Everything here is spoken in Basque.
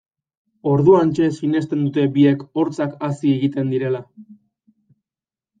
Orduantxe sinesten dute biek hortzak hazi egiten direla.